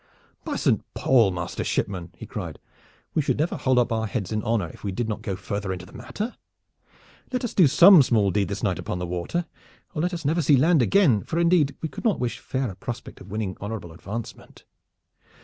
"By Saint Paul! master shipman," he cried, "we should never hold up our heads in honor if we did not go further into the matter! Let us do some small deed this night upon the water, or let us never see land again, for indeed we could not wish fairer prospect of winning honorable advancement."